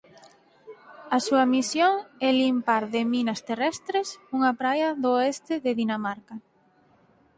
A súa misión é limpar de minas terrestres unha praia do oeste de Dinamarca.